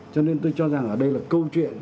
cho nên tôi cho rằng ở đây là câu chuyện